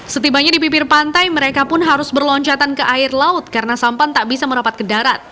setibanya di bibir pantai mereka pun harus berloncatan ke air laut karena sampan tak bisa merapat ke darat